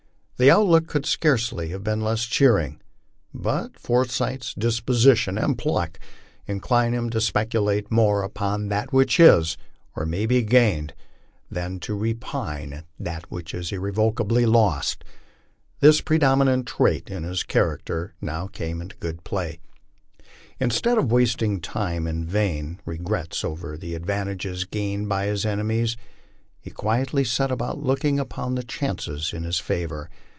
The outlook could scarcely have been less cheering. But Forsyth's disposition and pluck incline him to speculate more upon that which is, or may be gained, than to repine at that which is irrevoca bly lost. This predominant trait in his character now came in good play. In stead of wasting time in vain regrets over the advantages gained by his ene mies, he quietly set about looking up the chances in his favor.